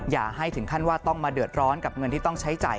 อย่าให้ถึงขั้นว่าต้องมาเดือดร้อนกับเงินที่ต้องใช้จ่าย